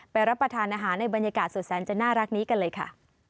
รับประทานอาหารในบรรยากาศสดแสนจะน่ารักนี้กันเลยค่ะ